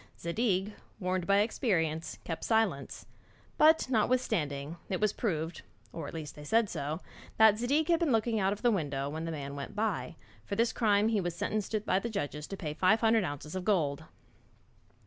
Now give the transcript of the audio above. Zadig, warned by experience, kept silence; but notwithstanding, it was proved or at least, they said so that Zadig had been looking out of the window when the man went by, and for this crime he was sentenced by the judges to pay five hundred ounces of gold.